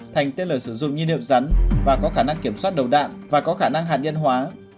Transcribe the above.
thành tên lửa sử dụng nhiên liệu rắn và có khả năng kiểm soát đầu đạn và có khả năng hạt nhân hóa